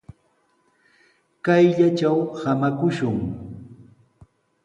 Kayllatraw samakushun.